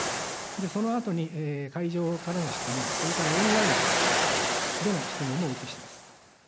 そのあとに会場からの質問、それからオンラインでの質問もお受けします。